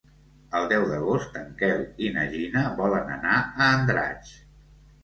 El deu d'agost en Quel i na Gina volen anar a Andratx.